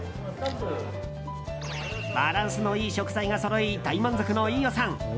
バランスのいい食材がそろい大満足の飯尾さん。